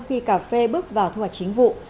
khi cà phê bước vào thu hoạch chính vụ